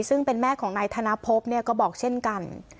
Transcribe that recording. ซึ่งเป็นแม่ของนายธนพบก็บอกเช่นกัน